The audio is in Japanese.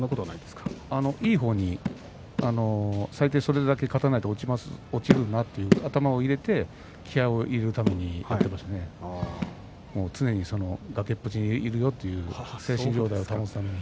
いい方に最低それだけか勝たないと落ちるぞという気合いを入れるために常に崖っぷちにいようという精神状態を保つために。